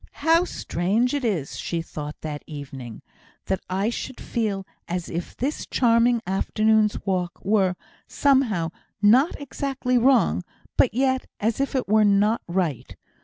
"How strange it is," she thought that evening, "that I should feel as if this charming afternoon's walk were, somehow, not exactly wrong, but yet as if it were not right.